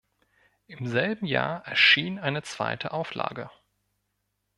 Im selben Jahr erschien eine zweite Auflage.